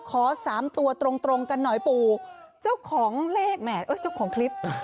ขอสามตัวตรงกันหน่อยปู่เจ้าของเลขแหมเอ้ยเจ้าของคลิป